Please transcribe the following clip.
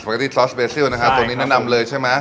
เกตี้ซอสเบซิลนะครับตัวนี้แนะนำเลยใช่ไหม